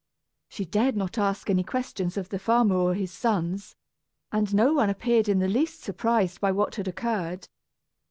She dared not ask any questions of the farmer or his sons, and no one appeared in the least surprised by what had occurred.